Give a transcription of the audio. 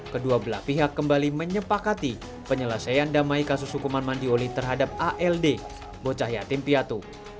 kedua belah pihak kembali menyepakati penyelesaian damai kasus hukuman mandi oli terhadap ald bocah yatim piatu